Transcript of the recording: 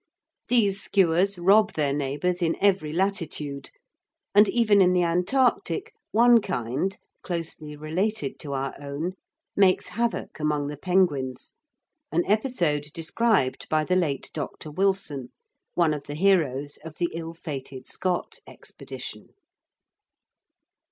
These skuas rob their neighbours in every latitude; and even in the Antarctic one kind, closely related to our own, makes havoc among the penguins, an episode described by the late Dr. Wilson, one of the heroes of the ill fated Scott expedition.